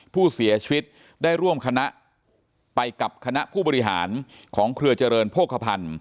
ผู้เสียชีวิตได้ร่วมคณะไปกับคณะผู้บริหารของเครือเจริญโภคภัณฑ์